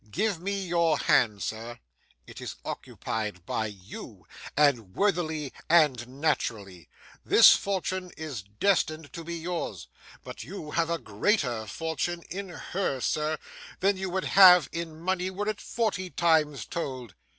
Give me your hand, sir; it is occupied by you, and worthily and naturally. This fortune is destined to be yours, but you have a greater fortune in her, sir, than you would have in money were it forty times told.